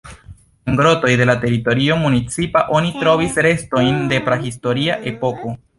En grotoj de la teritorio municipa oni trovis restojn de prahistoria epoko.